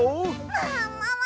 ももも！わ！